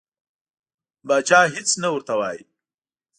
پاچا هیڅ نه ورته وایي.